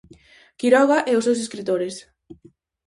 Quiroga e os seus escritores.